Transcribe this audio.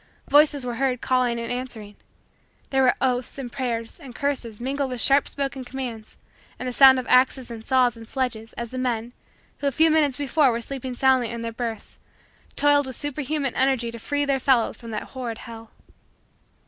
Voices were heard calling and answering. There were oaths and prayers and curses mingled with sharp spoken commands and the sound of axes and saws and sledges, as the men, who a few minutes before were sleeping soundly in their berths, toiled with superhuman energy to free their fellows from that horrid hell.